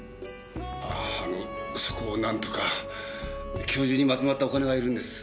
あぁあのそこをなんとか。今日中にまとまったお金がいるんです。